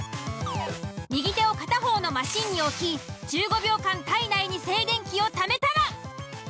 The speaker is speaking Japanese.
右手を片方のマシンに置き１５秒間体内に静電気をためたら。